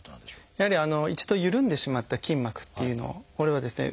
やはり一度ゆるんでしまった筋膜っていうのをこれをですね